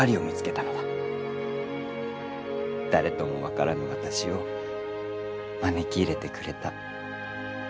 誰とも分からぬ私を招き入れてくれた。